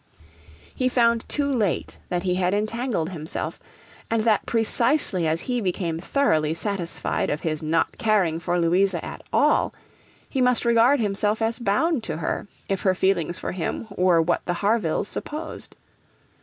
He found too late that he had entangled himself, and that precisely as he became thoroughly satisfied of his not caring for Louisa at all, he must regard himself as bound to her if her feelings for him were what the Harvilles supposed.